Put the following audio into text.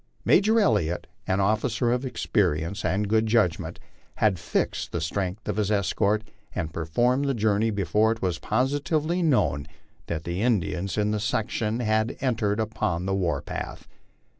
Major Elliott, an officer of experience and good judgment, had fixed the strength of his escort and performed the journey before it was positively known that the Indians in that section had en tered upon the war path.